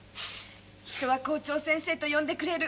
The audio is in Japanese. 人は校長先生と呼んでくれる。